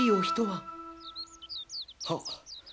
はっ。